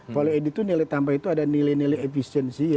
value added itu nilai tambah itu ada nilai nilai efisiensi ya